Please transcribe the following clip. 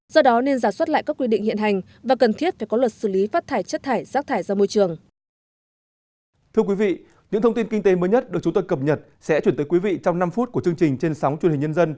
do đó nên giả soát lại các quy định hiện hành và cần thiết phải có luật xử lý phát thải chất thải rác thải ra môi trường